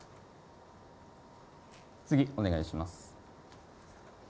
次、お願いします。